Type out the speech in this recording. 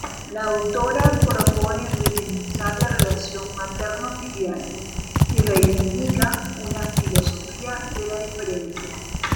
La autora propone repensar la relación materno-filial y reivindica una filosofía de la diferencia.